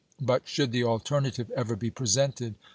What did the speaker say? But should the alternative ever be presented i'lJ'^.